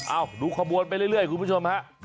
อ้าวลูกความวนไปเรื่อยคุณผู้ชมฮะ